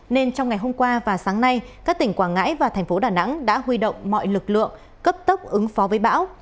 nên trong ngày hôm qua và sáng nay các tỉnh quảng ngãi và thành phố đà nẵng đã huy động mọi lực lượng cấp tốc ứng phó với bão